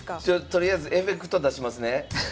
とりあえずエフェクト出しますね。